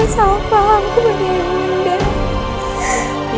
maafkan aku ister